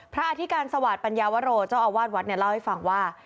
พระอธิกรสวรรค์ปัญญาวโรย์เจ้าอาวาทวัดเนี่ยเล่าให้ฟังว่า